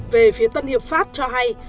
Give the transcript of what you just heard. về phía tân hiệp pháp cho hay